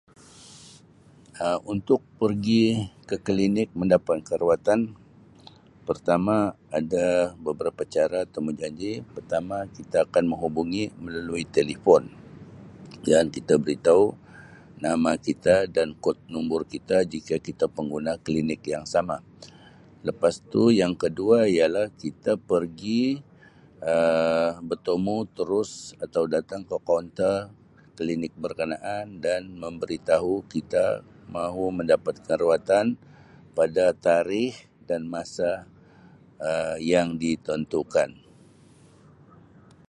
Um Untuk pergi ke klinik mendapatkan rawatan pertama ada beberapa cara temujanji pertama kita akan menghubungi melalui telefon dan kita beritahu nama kita dan kod nombor kita, jika kita pengguna klinik yang sama. Lepas tu yang kedua ialah kita pergi Um bertemu terus atau datang ke kaunter klinik berkenaan dan memberitahu kita mahu mendapatkan rawatan pada tarikh dan masa Um yang ditentukan.